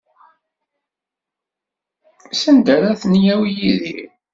Sanda ara ten-yawi Yidir?